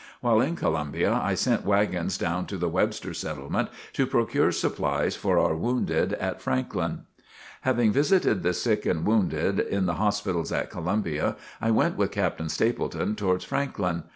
While in Columbia I sent wagons down to the Webster settlement to procure supplies for our wounded at Franklin. Having visited the sick and wounded in the hospitals at Columbia, I went with Captain Stepleton towards Franklin.